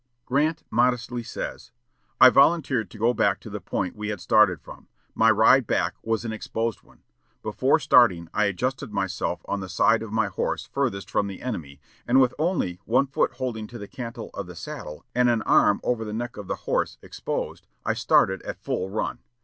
Grant modestly says, "I volunteered to go back to the point we had started from.... My ride back was an exposed one. Before starting, I adjusted myself on the side of my horse furthest from the enemy, and with only one foot holding to the cantle of the saddle, and an arm over the neck of the horse exposed, I started at full run.